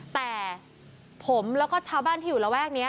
แต่ผมแล้วก็ชาวบ้านที่อยู่ระแวกนี้